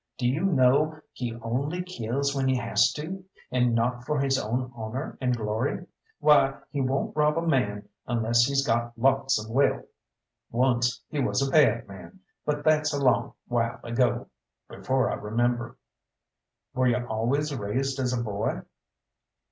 Do you know he only kills when he has to, and not for his own honour and glory? Why, he won't rob a man unless he's got lots of wealth. Once he was a bad man, but that's a long while ago, before I remember." "Were you always raised as a boy?"